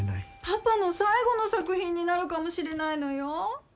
パパの最後の作品になるかもしれないのよ。